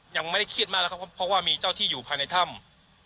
ยังไม่ได้เครียดมากแล้วครับเพราะว่ามีเจ้าที่อยู่ภายในถ้ำ